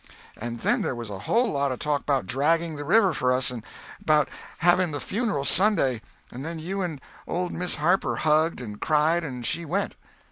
"And then there was a whole lot of talk 'bout dragging the river for us, and 'bout having the funeral Sunday, and then you and old Miss Harper hugged and cried, and she went."